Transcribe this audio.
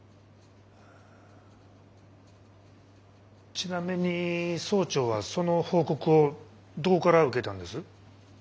ちなみに総長はその報告をどこから受けたんです？